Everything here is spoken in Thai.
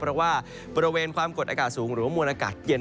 เพราะว่าบริเวณความกดอากาศสูงหรือว่ามวลอากาศเย็น